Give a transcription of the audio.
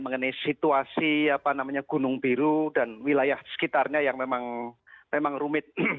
mengenai situasi gunung biru dan wilayah sekitarnya yang memang rumit